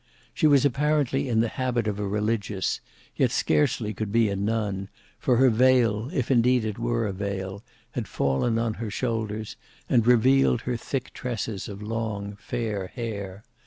She was apparently in the habit of a Religious, yet scarcely could be a nun, for her veil, if indeed it were a veil, had fallen on her shoulders, and revealed her thick tresses of long fair hair.